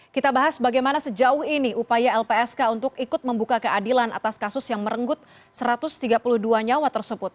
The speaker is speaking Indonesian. kita bahas bagaimana sejauh ini upaya lpsk untuk ikut membuka keadilan atas kasus yang merenggut satu ratus tiga puluh dua nyawa tersebut